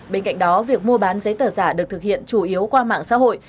bên cạnh đó việc mua bán giấy tờ giả được thực hiện chủ yếu qua mạng xã hội